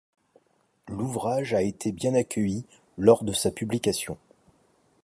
L'ouvrage a été bien accueilli lors de sa publication.